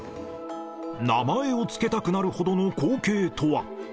名前を付けたくなるほどの光景とは。